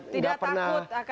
tidak takut akan